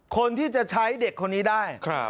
คนที่จะใช้เด็กคนนี้ได้